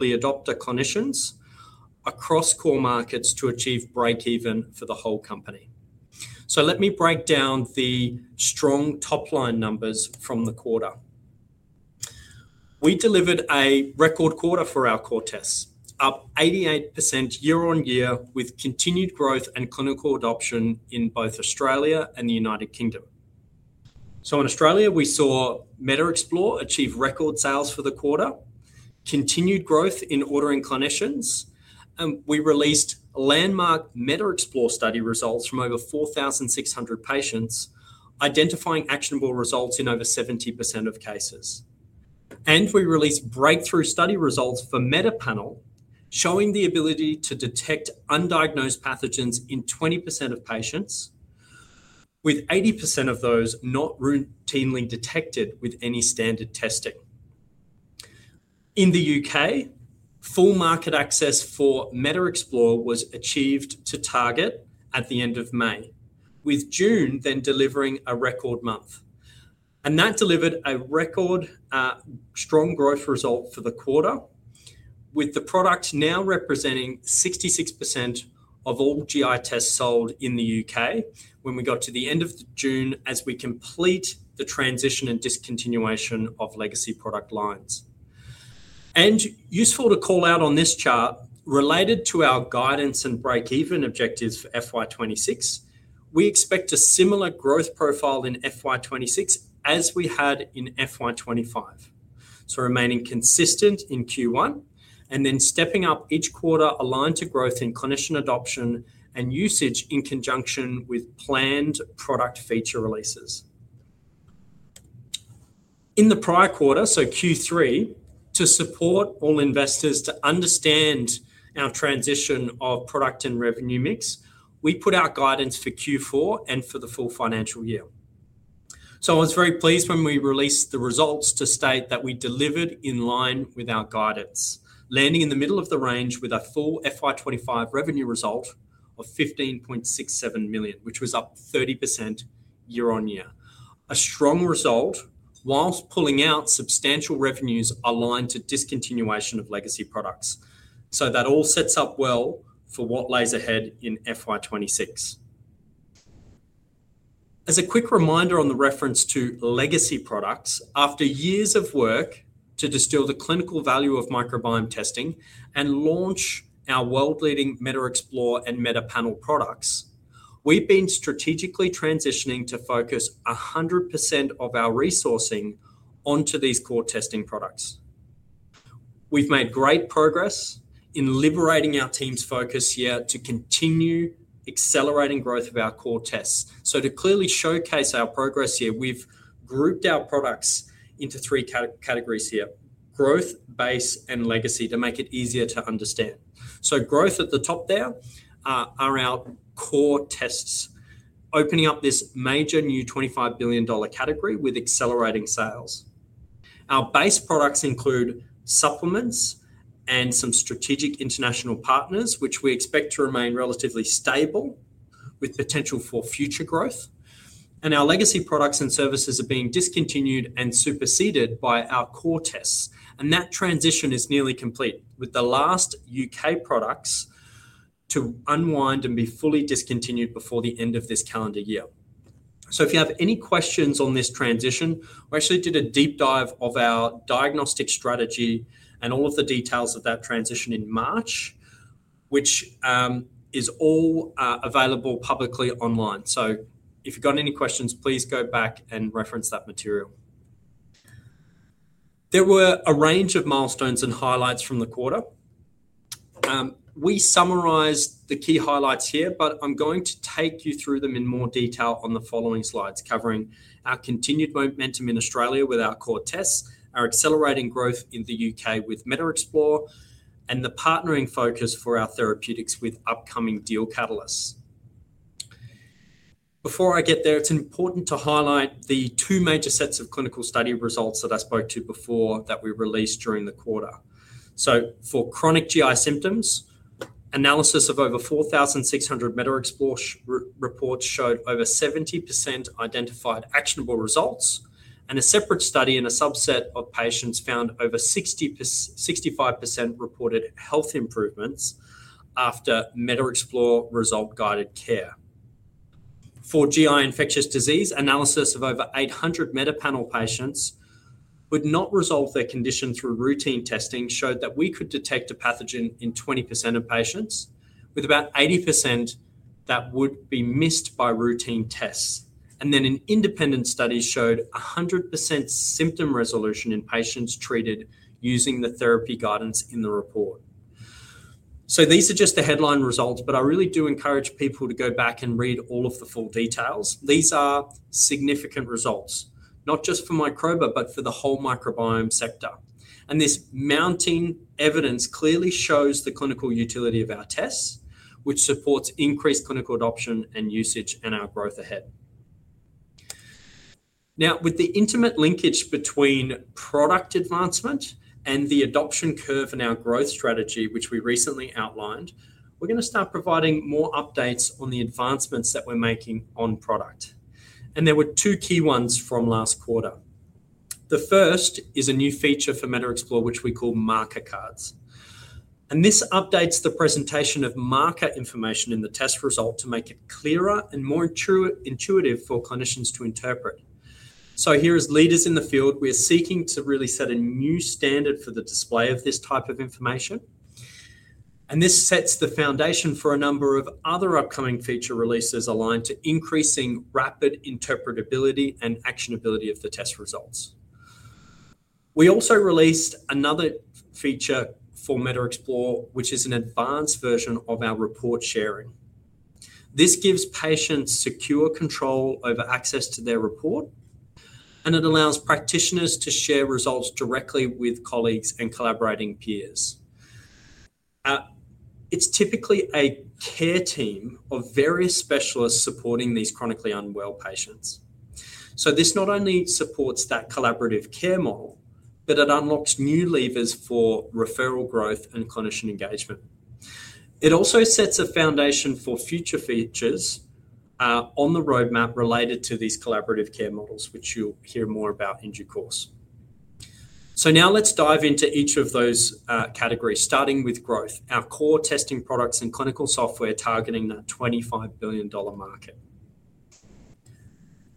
The adopter clinicians across core markets to achieve breakeven for the whole company. Let me break down the strong top-line numbers from the quarter. We delivered a record quarter for our core tests, up 88% year-on-year with continued growth and clinical adoption in both Australia and the United Kingdom. In Australia, we saw MedXplore achieve record sales for the quarter, continued growth in ordering clinicians, and we released landmark MedXplore study results from over 4,600 patients, identifying actionable results in over 70% of cases. We released breakthrough study results for MetaPanel showing the ability to detect undiagnosed pathogens in 20% of patients, with 80% of those not routinely detected with any standard testing. In the U.K., full market access for MedXplore was achieved to target at the end of May, with June then delivering a record month. That delivered a record strong growth result for the quarter, with the product now representing 66% of all GI tests sold in the U.K. when we got to the end of June as we complete the transition and discontinuation of legacy product lines. It is useful to call out on this chart, related to our guidance and breakeven objectives for FY2026, we expect a similar growth profile in FY2026 as we had in FY2025. Remaining consistent in Q1 and then stepping up each quarter aligned to growth in clinician adoption and usage in conjunction with planned product feature releases. In the prior quarter, Q3, to support all investors to understand our transition of product and revenue mix, we put out guidance for Q4 and for the full financial year. I was very pleased when we released the results to state that we delivered in line with our guidance, landing in the middle of the range with a full FY2025 revenue result of $15.67 million, which was up 30% year-on-year. A strong result whilst pulling out substantial revenues aligned to discontinuation of legacy products. That all sets up well for what lays ahead in FY2026. As a quick reminder on the reference to legacy products, after years of work to distill the clinical value of microbiome testing and launch our world-leading MedXplore and MetaPanel products, we've been strategically transitioning to focus 100% of our resourcing onto these core testing products. We've made great progress in liberating our team's focus here to continue accelerating growth of our core tests. To clearly showcase our progress here, we've grouped our products into three categories: growth, base, and legacy to make it easier to understand. Growth at the top are our core tests, opening up this major new $25 billion category with accelerating sales. Our base products include supplements and some strategic international partners, which we expect to remain relatively stable with potential for future growth. Our legacy products and services are being discontinued and superseded by our core tests. That transition is nearly complete, with the last U.K. products to unwind and be fully discontinued before the end of this calendar year. If you have any questions on this transition, we actually did a deep dive of our diagnostic strategy and all of the details of that transition in March, which is all available publicly online. If you've got any questions, please go back and reference that material. There were a range of milestones and highlights from the quarter. We summarized the key highlights here, but I'm going to take you through them in more detail on the following slides covering our continued momentum in Australia with our core tests, our accelerating growth in the U.K. with MedXplore, and the partnering focus for our therapeutics with upcoming deal catalysts. Before I get there, it's important to highlight the two major sets of clinical study results that I spoke to before that we released during the quarter. For chronic GI symptoms, analysis of over 4,600 MedXplore reports showed over 70% identified actionable results. A separate study in a subset of patients found over 65% reported health improvements after MedXplore result-guided care. For GI infectious disease, analysis of over 800 MetaPanel patients who had not resolved their condition through routine testing showed that we could detect a pathogen in 20% of patients, with about 80% that would be missed by routine tests. An independent study showed 100% symptom resolution in patients treated using the therapy guidance in the report. These are just the headline results, but I really do encourage people to go back and read all of the full details. These are significant results, not just for Microba Life Sciences Limited, but for the whole microbiome sector. This mounting evidence clearly shows the clinical utility of our tests, which supports increased clinical adoption and usage and our growth ahead. Now, with the intimate linkage between product advancement and the adoption curve in our growth strategy, which we recently outlined, we're going to start providing more updates on the advancements that we're making on product. There were two key ones from last quarter. The first is a new feature for MedXplore, which we call marker cards. This updates the presentation of marker information in the test result to make it clearer and more intuitive for clinicians to interpret. Here as leaders in the field, we're seeking to really set a new standard for the display of this type of information. This sets the foundation for a number of other upcoming feature releases aligned to increasing rapid interpretability and actionability of the test results. We also released another feature for MedXplore, which is an advanced version of our report sharing. This gives patients secure control over access to their report, and it allows practitioners to share results directly with colleagues and collaborating peers. It's typically a care team of various specialists supporting these chronically unwell patients. This not only supports that collaborative care model, but it unlocks new levers for referral growth and clinician engagement. It also sets a foundation for future features on the roadmap related to these collaborative care models, which you'll hear more about in due course. Now let's dive into each of those categories, starting with growth, our core testing products and clinical software targeting that $25 billion market.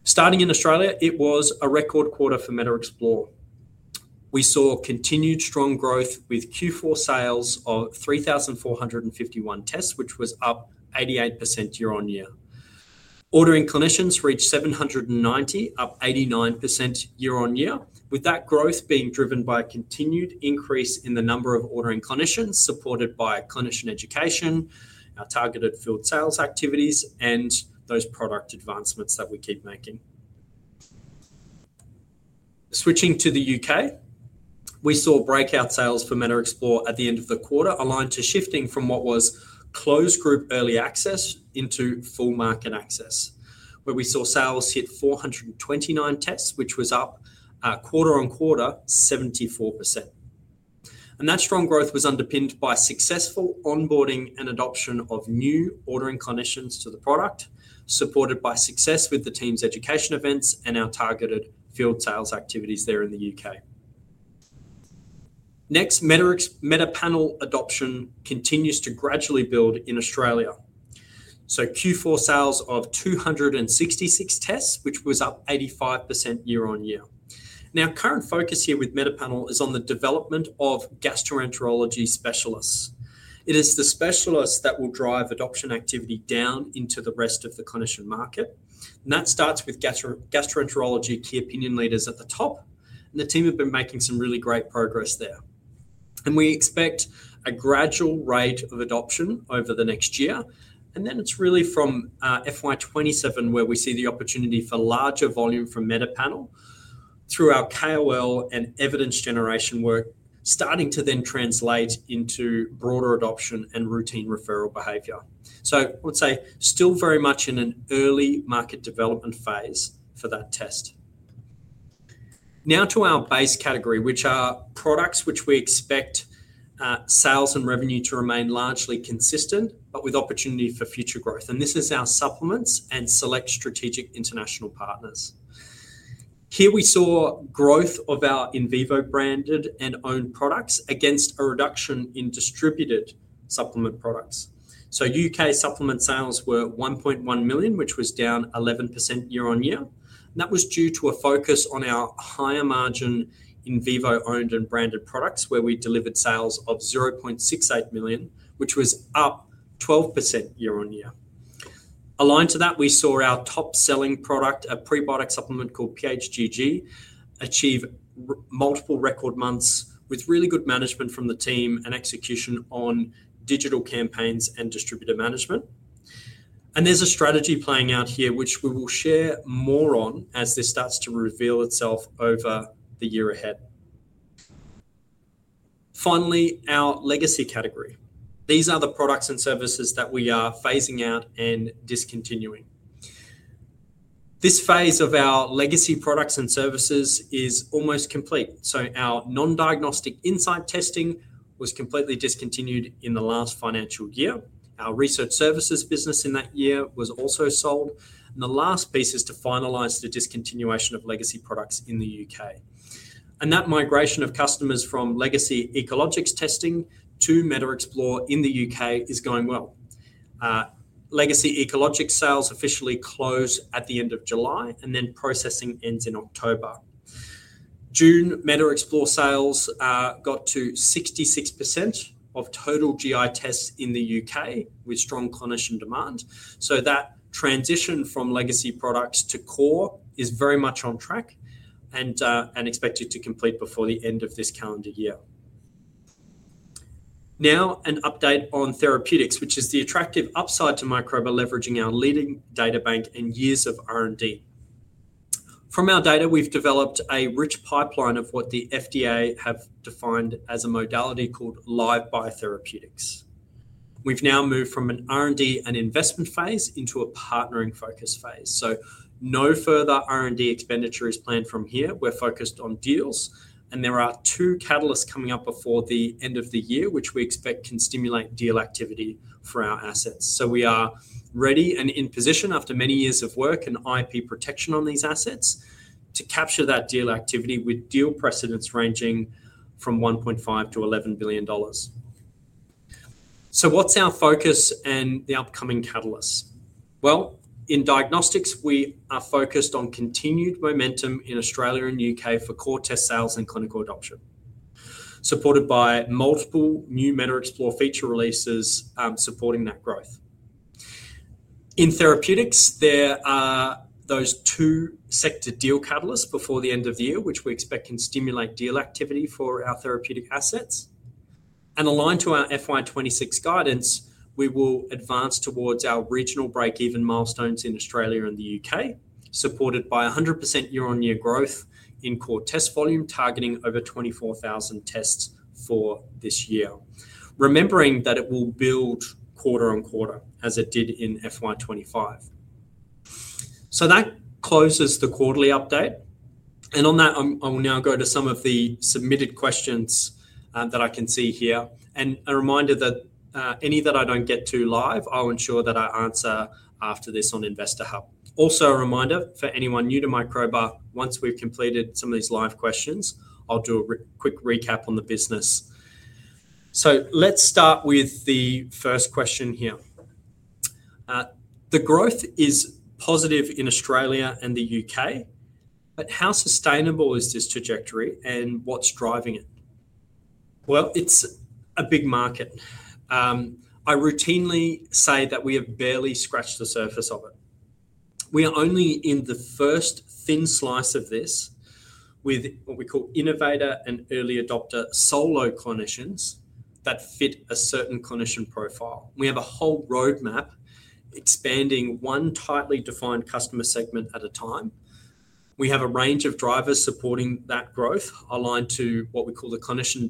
Starting in Australia, it was a record quarter for MedXplore. We saw continued strong growth with Q4 sales of 3,451 tests, which was up 88% year-on-year. Ordering clinicians reached 790, up 89% year-on-year, with that growth being driven by a continued increase in the number of ordering clinicians supported by clinician education, our targeted field sales activities, and those product advancements that we keep making. Switching to the U.K., we saw breakout sales for MedXplore at the end of the quarter aligned to shifting from what was closed group early access into full market access, where we saw sales hit 429 tests, which was up quarter on quarter 74%. That strong growth was underpinned by successful onboarding and adoption of new ordering clinicians to the product, supported by success with the team's education events and our targeted field sales activities there in the U.K. Next, MetaPanel adoption continues to gradually build in Australia. Q4 sales of 266 tests were up 85% year-on-year. The current focus here with MetaPanel is on the development of gastroenterology specialists. It is the specialists that will drive adoption activity down into the rest of the clinician market. That starts with gastroenterology key opinion leaders at the top. The team have been making some really great progress there. We expect a gradual rate of adoption over the next year. It is really from FY2027 where we see the opportunity for larger volume from MetaPanel through our KOL and evidence generation work, starting to then translate into broader adoption and routine referral behavior. I would say still very much in an early market development phase for that test. Now to our base category, which are products which we expect sales and revenue to remain largely consistent, but with opportunity for future growth. This is our supplements and select strategic international partners. Here we saw growth of our in vivo branded and owned products against a reduction in distributed supplement products. U.K. supplement sales were £1.1 million, which was down 11% year-on-year. That was due to a focus on our higher margin in vivo owned and branded products, where we delivered sales of 0.68 million, which was up 12% year-on-year. Aligned to that, we saw our top selling product, a prebiotic supplement called PHGG, achieve multiple record months with really good management from the team and execution on digital campaigns and distributor management. There is a strategy playing out here, which we will share more on as this starts to reveal itself over the year ahead. Finally, our legacy category. These are the products and services that we are phasing out and discontinuing. This phase of our legacy products and services is almost complete. Our non-diagnostic insight testing was completely discontinued in the last financial year. Our research services business in that year was also sold. The last piece is to finalize the discontinuation of legacy products in the UK. That migration of customers from legacy Ecologix testing to MedXplore in the U.K. is going well. Legacy Ecologix sales officially close at the end of July, and processing ends in October. June MedXplore sales got to 66% of total GI tests in the U.K. with strong clinician demand. That transition from legacy products to core is very much on track and expected to complete before the end of this calendar year. Now an update on therapeutics, which is the attractive upside to Microba Life Sciences Limited leveraging our leading data bank and years of R&D. From our data, we've developed a rich pipeline of what the FDA has defined as a modality called live biotherapeutics. We've now moved from an R&D and investment phase into a partnering focus phase. No further R&D expenditure is planned from here. We're focused on deals. There are two catalysts coming up before the end of the year, which we expect can stimulate deal activity for our assets. We are ready and in position after many years of work and IP protection on these assets to capture that deal activity with deal precedents ranging from $1.5 billion to $11 billion. What's our focus and the upcoming catalysts? In diagnostics, we are focused on continued momentum in Australia and the U.K. for core test sales and clinical adoption, supported by multiple new MedXplore feature releases supporting that growth. In therapeutics, there are those two sector deal catalysts before the end of the year, which we expect can stimulate deal activity for our therapeutic assets. Aligned to our FY2026 guidance, we will advance towards our regional breakeven milestones in Australia and the U.K., supported by 100% year-on-year growth in core test volume, targeting over 24,000 tests for this year, remembering that it will build quarter on quarter as it did in FY2025. That closes the quarterly update. On that, I will now go to some of the submitted questions that I can see here. A reminder that any that I don't get to live, I'll ensure that I answer after this on investor hub. Also, a reminder for anyone new to Microba, once we've completed some of these live questions, I'll do a quick recap on the business. Let's start with the first question here. The growth is positive in Australia and the U.K., but how sustainable is this trajectory and what's driving it? It's a big market. I routinely say that we have barely scratched the surface of it. We are only in the first thin slice of this with what we call innovator and early adopter solo clinicians that fit a certain clinician profile. We have a whole roadmap expanding one tightly defined customer segment at a time. We have a range of drivers supporting that growth aligned to what we call the clinician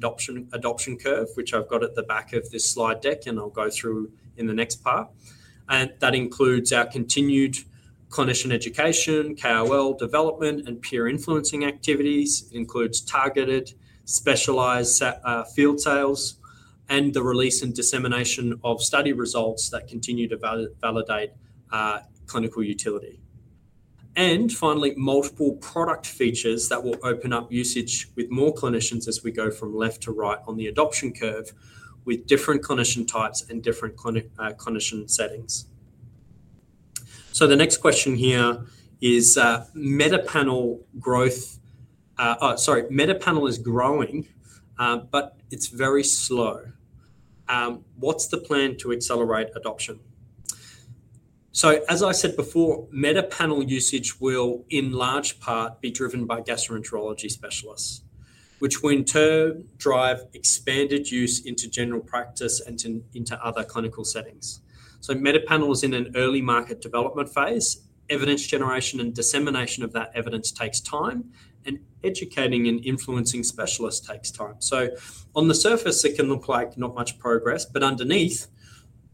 adoption curve, which I've got at the back of this slide deck and I'll go through in the next part. That includes our continued clinician education, KOL development, and peer influencing activities. It includes targeted specialized field sales and the release and dissemination of study results that continue to validate clinical utility. Finally, multiple product features will open up usage with more clinicians as we go from left to right on the adoption curve with different clinician types and different clinician settings. The next question here is MetaPanel growth. Oh, sorry. MetaPanel is growing, but it's very slow. What's the plan to accelerate adoption? As I said before, MetaPanel usage will, in large part, be driven by gastroenterology specialists, which will in turn drive expanded use into general practice and into other clinical settings. MetaPanel is in an early market development phase. Evidence generation and dissemination of that evidence takes time, and educating and influencing specialists takes time. On the surface, it can look like not much progress, but underneath,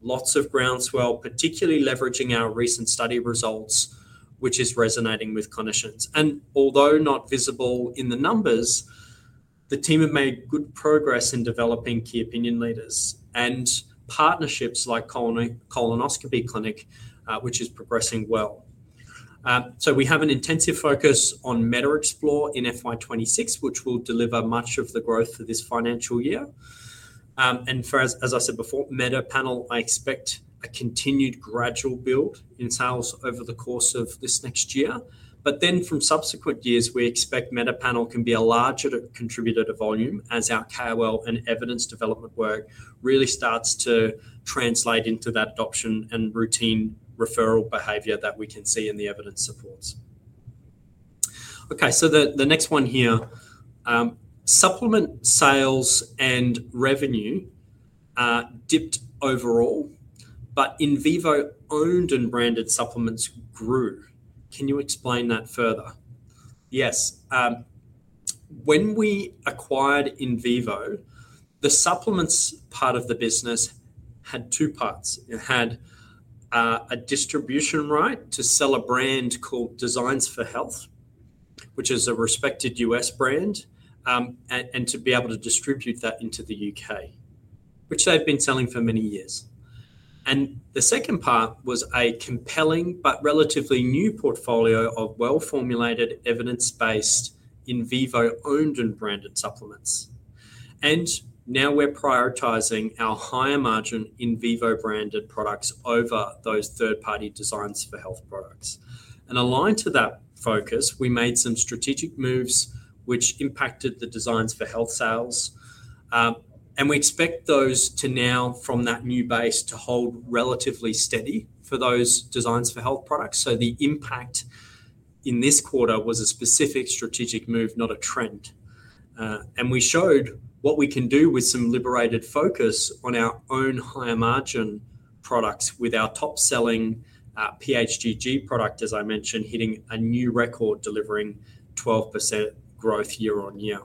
lots of groundswell, particularly leveraging our recent study results, which is resonating with clinicians. Although not visible in the numbers, the team have made good progress in developing key opinion leaders and partnerships like Colonoscopy Clinic, which is progressing well. We have an intensive focus on MedXplore in FY2026, which will deliver much of the growth for this financial year. As I said before, MetaPanel, I expect a continued gradual build in sales over the course of this next year. From subsequent years, we expect MetaPanel can be a larger contributor to volume as our KOL and evidence development work really starts to translate into that adoption and routine referral behavior that we can see in the evidence supports. The next one here, supplement sales and revenue dipped overall, but in vivo owned and branded supplements grew. Can you explain that further? Yes. When we acquired in vivo, the supplements part of the business had two parts. It had a distribution right to sell a brand called Designs for Health, which is a respected U.S. brand, and to be able to distribute that into the U.K., which they've been selling for many years. The second part was a compelling but relatively new portfolio of well-formulated, evidence-based, in vivo owned and branded supplements. Now we're prioritizing our higher margin in vivo branded products over those third-party Designs for Health products. Aligned to that focus, we made some strategic moves which impacted the Designs for Health sales. We expect those to now, from that new base, to hold relatively steady for those Designs for Health products. The impact in this quarter was a specific strategic move, not a trend. We showed what we can do with some liberated focus on our own higher margin products with our top selling PHGG product, as I mentioned, hitting a new record, delivering 12% growth year-on-year.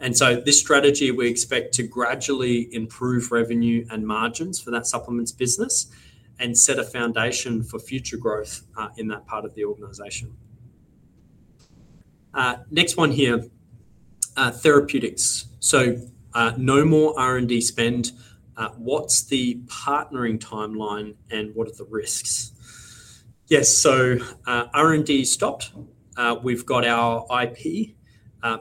This strategy, we expect to gradually improve revenue and margins for that supplements business and set a foundation for future growth in that part of the organization. Next one here, therapeutics. No more R&D spend. What's the partnering timeline and what are the risks? Yes. R&D stopped. We've got our IP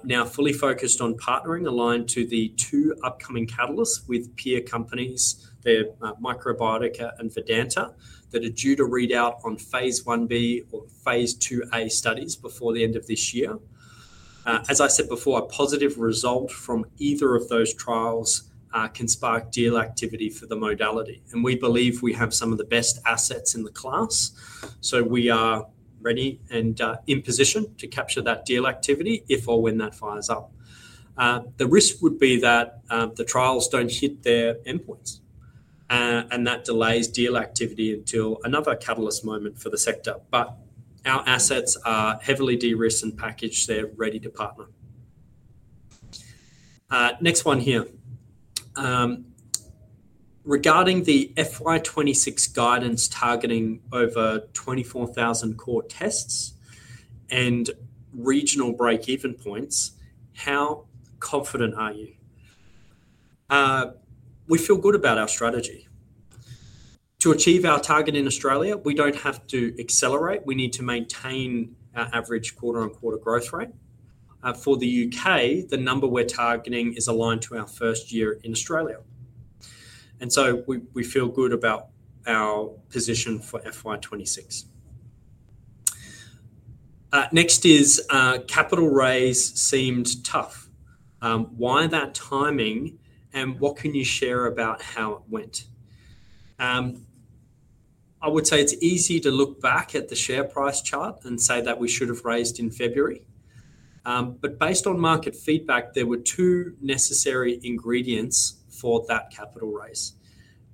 now fully focused on partnering aligned to the two upcoming catalysts with peer companies, they're Microbiotica and Vedanta, that are due to read out on phase 1B or phase 2A studies before the end of this year. As I said before, a positive result from either of those trials can spark deal activity for the modality. We believe we have some of the best assets in the class. We are ready and in position to capture that deal activity if or when that fires up. The risk would be that the trials don't hit their endpoints. That delays deal activity until another catalyst moment for the sector. Our assets are heavily de-risked and packaged. They're ready to partner. Next one here. Regarding the FY2026 guidance targeting over 24,000 core tests and regional breakeven points, how confident are you? We feel good about our strategy. To achieve our target in Australia, we don't have to accelerate. We need to maintain our average quarter-on-quarter growth rate. For the UK, the number we're targeting is aligned to our first year in Australia. We feel good about our position for FY2026. Next is capital raise seemed tough. Why that timing and what can you share about how it went? I would say it's easy to look back at the share price chart and say that we should have raised in February. Based on market feedback, there were two necessary ingredients for that capital raise.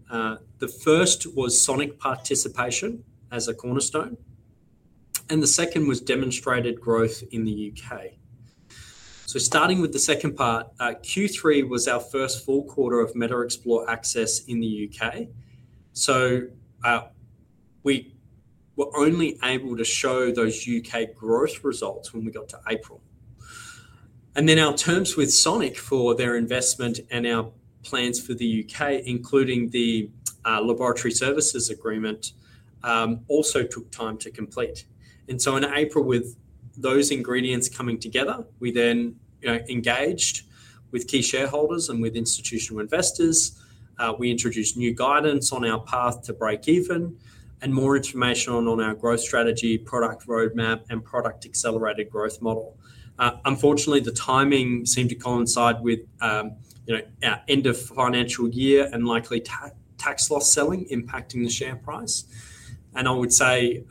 The first was Sonic participation as a cornerstone. The second was demonstrated growth in the U.K. Starting with the second part, Q3 was our first full quarter of MedXplore access in the U.K. We were only able to show those U.K. growth results when we got to April. Our terms with Sonic Healthcare for their investment and our plans for the U.K., including the laboratory services agreement, also took time to complete. In April, with those ingredients coming together, we then engaged with key shareholders and with institutional investors. We introduced new guidance on our path to breakeven and more information on our growth strategy, product roadmap, and product accelerated growth model. Unfortunately, the timing seemed to coincide with our end of financial year and likely tax loss selling impacting the share price. I would say,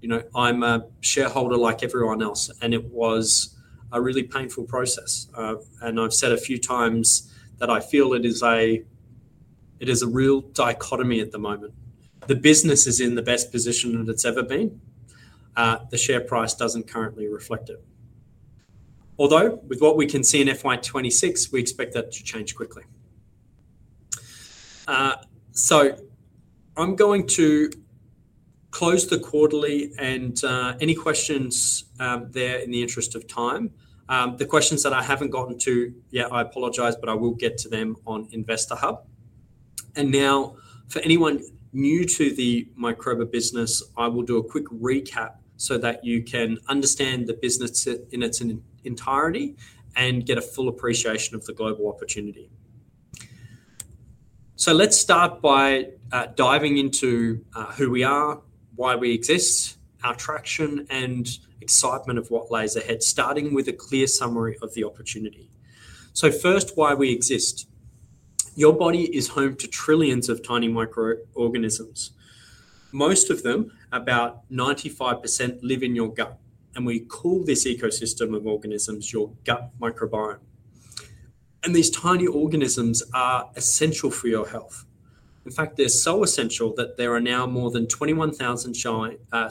you know, I'm a shareholder like everyone else. It was a really painful process. I've said a few times that I feel it is a real dichotomy at the moment. The business is in the best position that it's ever been. The share price doesn't currently reflect it. Although with what we can see in FY2026, we expect that to change quickly. I'm going to close the quarterly and any questions there in the interest of time. The questions that I haven't gotten to yet, I apologize, but I will get to them on Investor Hub. For anyone new to the Microba business, I will do a quick recap so that you can understand the business in its entirety and get a full appreciation of the global opportunity. Let's start by diving into who we are, why we exist, our traction, and excitement of what lays ahead, starting with a clear summary of the opportunity. First, why we exist. Your body is home to trillions of tiny microorganisms. Most of them, about 95%, live in your gut. We call this ecosystem of organisms your gut microbiome. These tiny organisms are essential for your health. In fact, they're so essential that there are now more than 21,000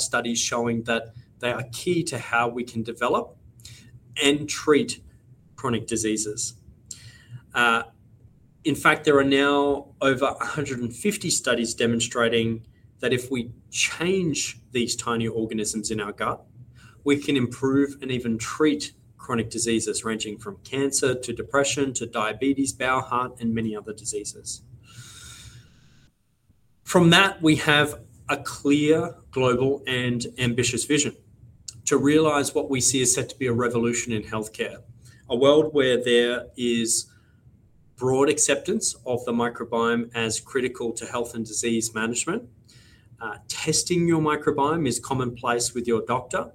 studies showing that they are key to how we can develop and treat chronic diseases. There are now over 150 studies demonstrating that if we change these tiny organisms in our gut, we can improve and even treat chronic diseases ranging from cancer to depression to diabetes, bowel, heart, and many other diseases. From that, we have a clear global and ambitious vision to realize what we see is set to be a revolution in healthcare, a world where there is broad acceptance of the microbiome as critical to health and disease management. Testing your microbiome is commonplace with your doctor,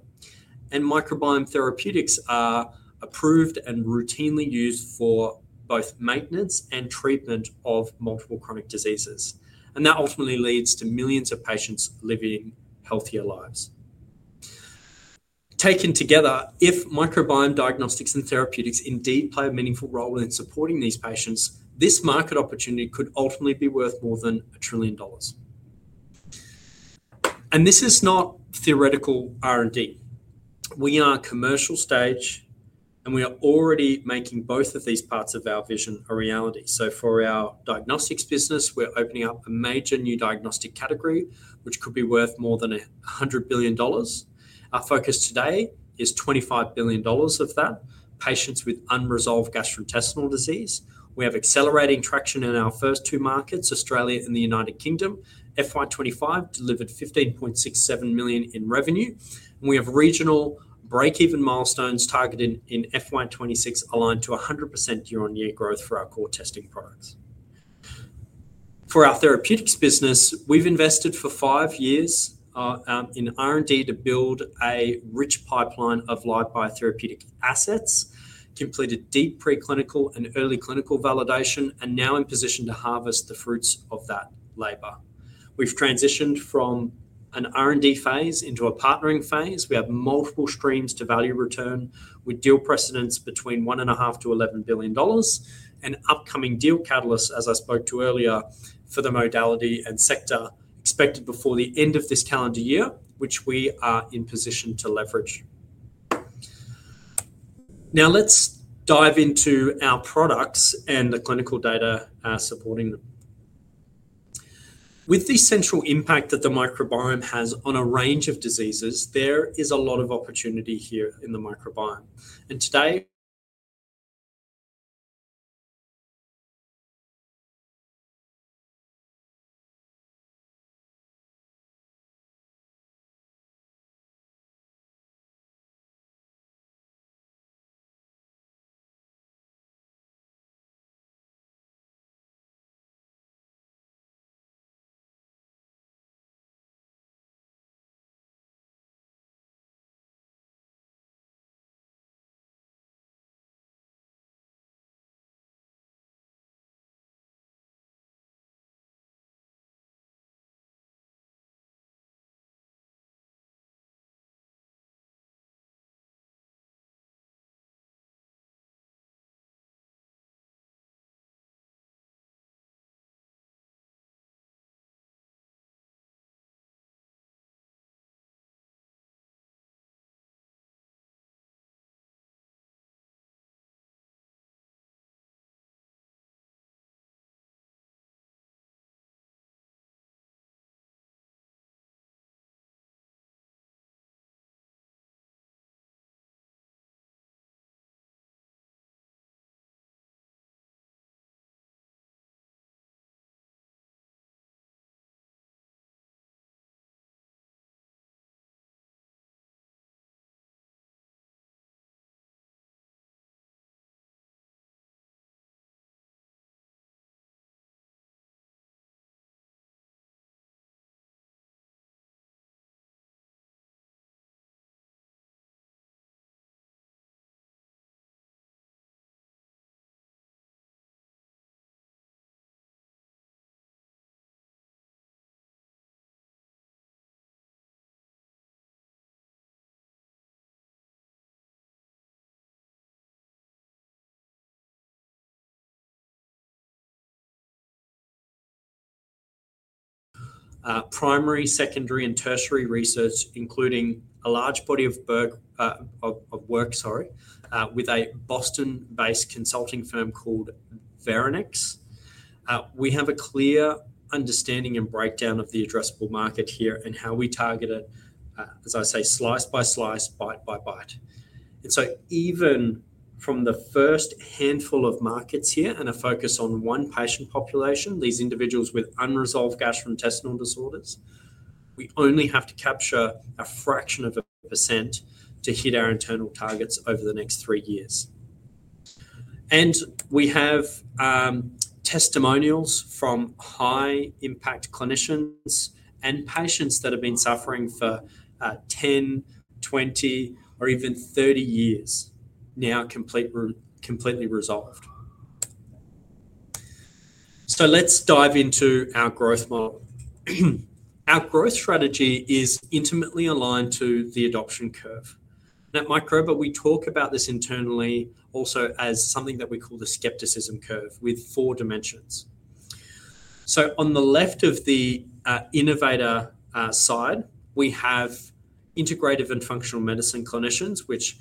and microbiome therapeutics are approved and routinely used for both maintenance and treatment of multiple chronic diseases. That ultimately leads to millions of patients living healthier lives. Taken together, if microbiome diagnostics and therapeutics indeed play a meaningful role in supporting these patients, this market opportunity could ultimately be worth more than a trillion dollars. This is not theoretical R&D. We are a commercial stage, and we are already making both of these parts of our vision a reality. For our diagnostics business, we're opening up a major new diagnostic category, which could be worth more than $100 billion. Our focus today is $25 billion of that, patients with unresolved gastrointestinal disease. We have accelerating traction in our first two markets, Australia and the United Kingdom. FY2025 delivered $15.67 million in revenue. We have regional breakeven milestones targeted in FY2026, aligned to 100% year-on-year growth for our core testing products. For our therapeutics business, we've invested for five years in R&D to build a rich pipeline of live biotherapeutic assets, completed deep preclinical and early clinical validation, and now in position to harvest the fruits of that labor. We've transitioned from an R&D phase into a partnering phase. We have multiple streams to value return with deal precedents between $1.5 billion-$11 billion. Upcoming deal catalysts, as I spoke to earlier, for the modality and sector are expected before the end of this calendar year, which we are in position to leverage. Now let's dive into our products and the clinical data supporting them. With the central impact that the microbiome has on a range of diseases, there is a lot of opportunity here in the microbiome. Today, primary, secondary, and tertiary research, including a large body of work with a Boston-based consulting firm called Verinex, give us a clear understanding and breakdown of the addressable market here and how we target it, as I say, slice by slice, bite by bite. Even from the first handful of markets here and a focus on one patient population, these individuals with unresolved gastrointestinal disorders, we only have to capture a fraction of a percent to hit our internal targets over the next three years. We have testimonials from high-impact clinicians and patients that have been suffering for 10, 20, or even 30 years, now completely resolved. Let's dive into our growth model. Our growth strategy is intimately aligned to the adoption curve. At Microba, we talk about this internally also as something that we call the skepticism curve with four dimensions. On the left of the innovator side, we have integrative and functional medicine clinicians, which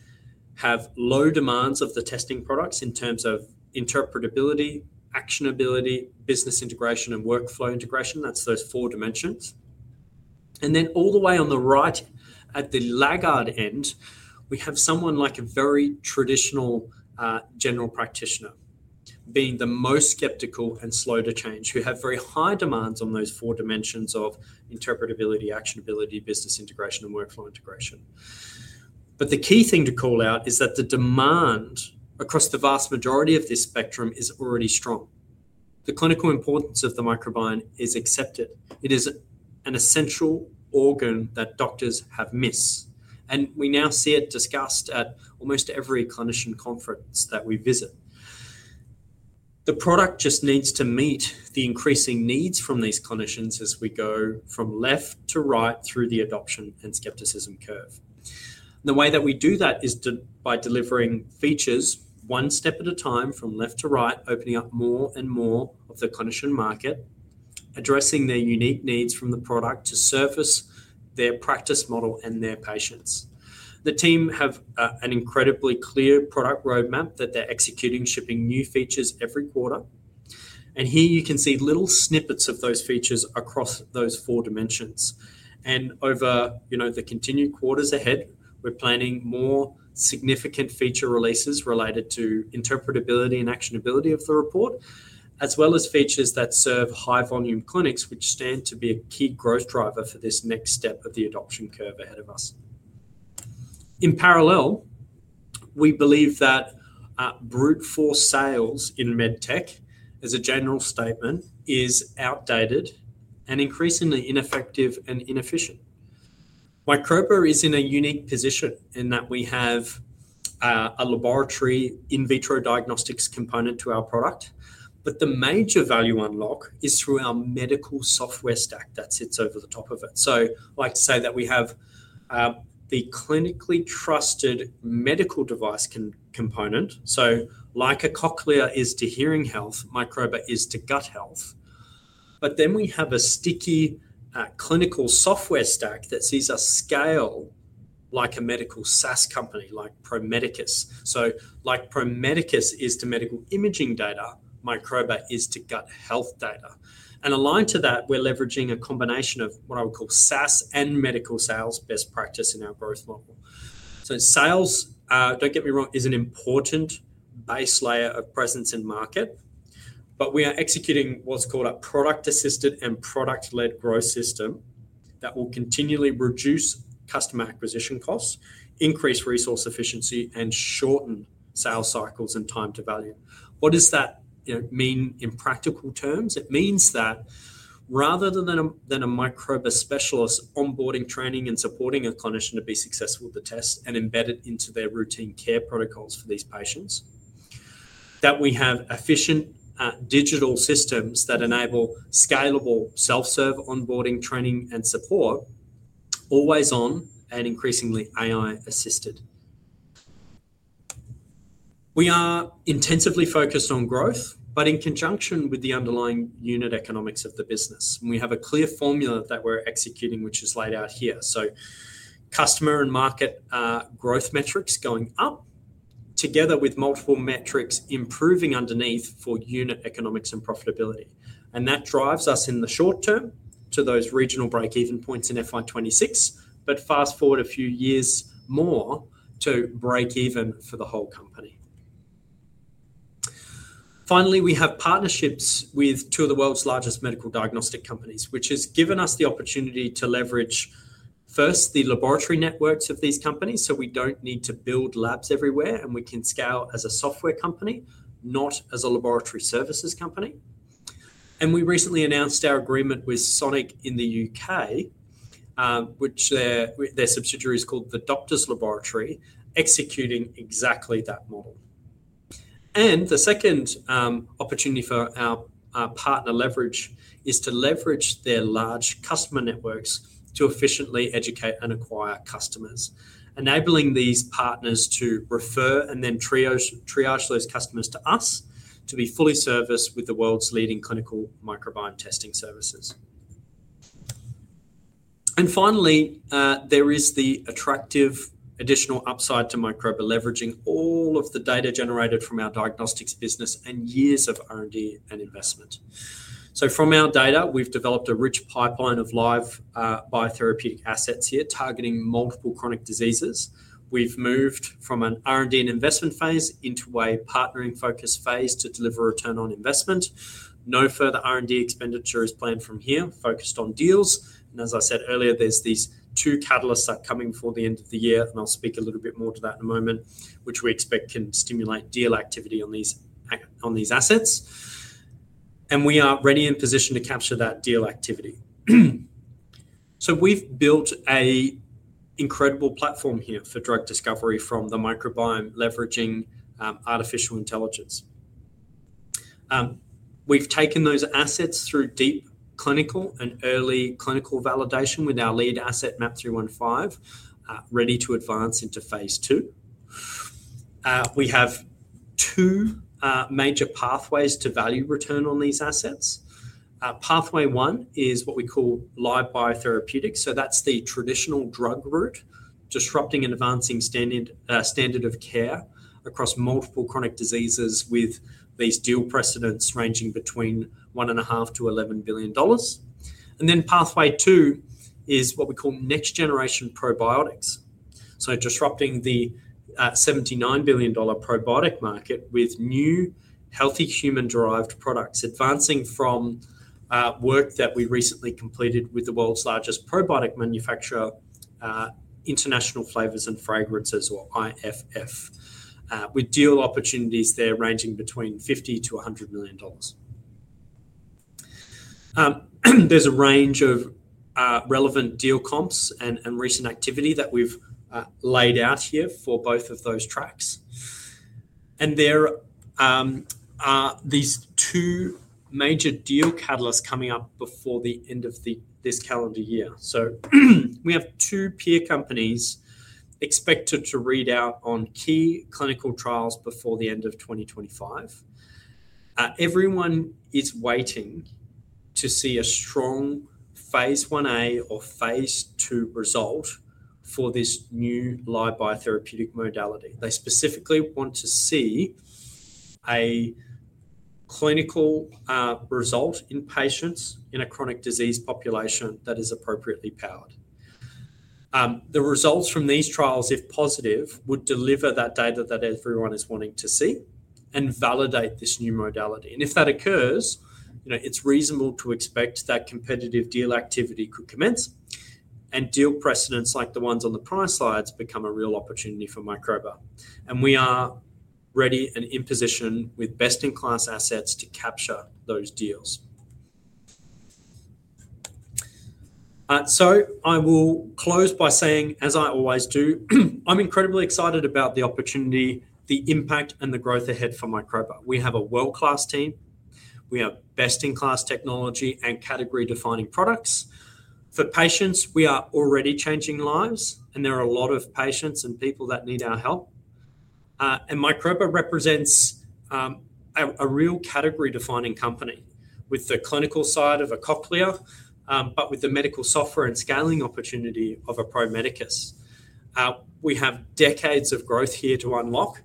have low demands of the testing products in terms of interpretability, actionability, business integration, and workflow integration. Those are the four dimensions. All the way on the right at the laggard end, we have someone like a very traditional general practitioner, being the most skeptical and slow to change, who have very high demands on those four dimensions of interpretability, actionability, business integration, and workflow integration. The key thing to call out is that the demand across the vast majority of this spectrum is already strong. The clinical importance of the microbiome is accepted. It is an essential organ that doctors have missed. We now see it discussed at almost every clinician conference that we visit. The product just needs to meet the increasing needs from these clinicians as we go from left to right through the adoption and skepticism curve. The way that we do that is by delivering features one step at a time from left to right, opening up more and more of the clinician market, addressing their unique needs from the product to surface their practice model and their patients. The team have an incredibly clear product roadmap that they're executing, shipping new features every quarter. Here you can see little snippets of those features across those four dimensions. Over the continued quarters ahead, we're planning more significant feature releases related to interpretability and actionability of the report, as well as features that serve high-volume clinics, which stand to be a key growth driver for this next step of the adoption curve ahead of us. In parallel, we believe that brute force sales in medtech, as a general statement, is outdated and increasingly ineffective and inefficient. Microba is in a unique position in that we have a laboratory in vitro diagnostics component to our product. The major value unlock is through our medical software stack that sits over the top of it. I'd like to say that we have the clinically trusted medical device component. Like a cochlear is to hearing health, Microba is to gut health. We have a sticky clinical software stack that sees us scale like a medical SaaS company like Prometheus. Like Prometheus is to medical imaging data, Microba is to gut health data. Aligned to that, we're leveraging a combination of what I would call SaaS and medical sales best practice in our growth model. Sales, don't get me wrong, is an important base layer of presence in the market. We are executing what's called a product-assisted and product-led growth system that will continually reduce customer acquisition costs, increase resource efficiency, and shorten sales cycles and time to value. What does that mean in practical terms? It means that rather than a Microba specialist onboarding, training, and supporting a clinician to be successful with the test and embed it into their routine care protocols for these patients, we have efficient digital systems that enable scalable self-serve onboarding, training, and support, always on and increasingly AI-assisted. We are intensively focused on growth, in conjunction with the underlying unit economics of the business. We have a clear formula that we're executing, which is laid out here. Customer and market growth metrics going up, together with multiple metrics improving underneath for unit economics and profitability. That drives us in the short term to those regional breakeven points in FY2026, fast forward a few years more to breakeven for the whole company. Finally, we have partnerships with two of the world's largest medical diagnostic companies, which has given us the opportunity to leverage first the laboratory networks of these companies so we don't need to build labs everywhere, and we can scale as a software company, not as a laboratory services company. We recently announced our agreement with Sonic Healthcare in the U.K., which their subsidiary is called The Doctors Laboratory, executing exactly that model. The second opportunity for our partner leverage is to leverage their large customer networks to efficiently educate and acquire customers, enabling these partners to refer and then triage those customers to us to be fully serviced with the world's leading clinical microbiome testing services. Finally, there is the attractive additional upside to Microba leveraging all of the data generated from our diagnostics business and years of R&D and investment. From our data, we've developed a rich pipeline of live biotherapeutic assets here targeting multiple chronic diseases. We've moved from an R&D and investment phase into a partnering focus phase to deliver return on investment. No further R&D expenditure is planned from here, focused on deals. As I said earlier, there are these two catalysts that are coming before the end of the year, and I'll speak a little bit more to that in a moment, which we expect can stimulate deal activity on these assets. We are ready and positioned to capture that deal activity. We've built an incredible platform here for drug discovery from the microbiome, leveraging artificial intelligence. We've taken those assets through deep clinical and early clinical validation with our lead asset MAP315, ready to advance into phase two. We have two major pathways to value return on these assets. Pathway one is what we call live biotherapeutics. That is the traditional drug route, disrupting an advancing standard of care across multiple chronic diseases with these deal precedents ranging between $1.5 billion-$11 billion. Pathway two is what we call next-generation probiotics. Disrupting the $79 billion probiotic market with new healthy human-derived products, advancing from work that we recently completed with the world's largest probiotic manufacturer, International Flavors and Fragrances, or IFF, with deal opportunities there ranging between $50 million-$100 million. There is a range of relevant deal comps and recent activity that we've laid out here for both of those tracks. There are these two major deal catalysts coming up before the end of this calendar year. We have two peer companies expected to read out on key clinical trials before the end of 2025. Everyone is waiting to see a strong phase 1A or phase 2 result for this new live biotherapeutic modality. They specifically want to see a clinical result in patients in a chronic disease population that is appropriately powered. The results from these trials, if positive, would deliver that data that everyone is wanting to see and validate this new modality. If that occurs, it's reasonable to expect that competitive deal activity could commence and deal precedents like the ones on the prior slides become a real opportunity for Microba. We are ready and in position with best-in-class assets to capture those deals. I will close by saying, as I always do, I'm incredibly excited about the opportunity, the impact, and the growth ahead for Microba. We have a world-class team. We have best-in-class technology and category-defining products. For patients, we are already changing lives, and there are a lot of patients and people that need our help. Microba represents a real category-defining company with the clinical side of a cochlear, but with the medical software and scaling opportunity of a Prometheus. We have decades of growth here to unlock.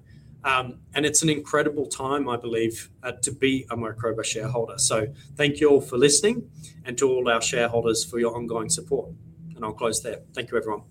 It's an incredible time, I believe, to be a Microba shareholder. Thank you all for listening and to all our shareholders for your ongoing support. I'll close there. Thank you, everyone.